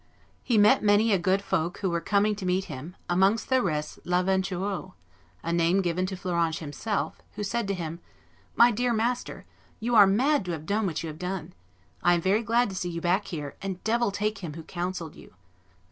He met a many good folk who were coming to meet him, amongst the rest l'Aventureux [a name given to Fleuranges himself], who said to him, 'My dear master, you are mad to have done what you have done; I am very glad to see you back here, and devil take him who counselled you.